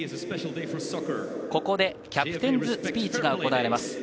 ここでキャプテンズスピーチが行われます。